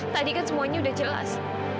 tadi kan semuanya sudah jelas